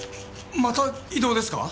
また異動ですか？